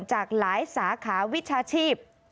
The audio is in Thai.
หลายสาขาวิชชาชีพ